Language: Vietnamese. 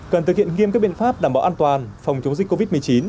cần thực hiện nghiêm các biện pháp đảm bảo an toàn phòng chống dịch covid một mươi chín